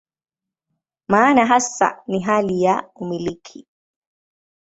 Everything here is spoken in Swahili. Maana hasa ni hali ya "umiliki".